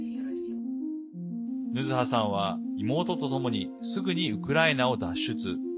ヌズハさんは、妹とともにすぐにウクライナを脱出。